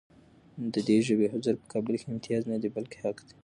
د دې ژبې حضور په کابل کې امتیاز نه دی، بلکې حق دی.